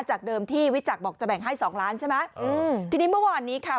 จากเดิมที่วิจักรบอกจะแบ่งให้สองล้านใช่ไหมอืมทีนี้เมื่อวานนี้ค่ะ